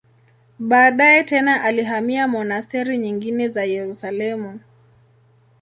Baadaye tena alihamia monasteri nyingine za Yerusalemu.